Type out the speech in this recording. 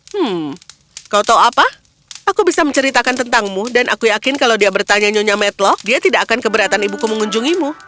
hmm kau tahu apa aku bisa menceritakan tentangmu dan aku yakin kalau dia bertanya nyonya medlock dia tidak akan keberatan ibuku mengunjungimu